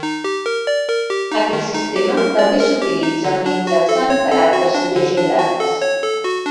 Aquest sistema també s'utilitza mitjançant caràcters llegendaris.